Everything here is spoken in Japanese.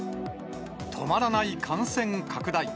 止まらない感染拡大。